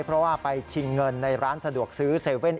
เพราะว่าไปชิงเงินในร้านสะดวกซื้อ๗๑๑